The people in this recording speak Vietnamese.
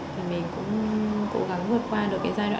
và mình cũng cố gắng vượt qua được giai đoạn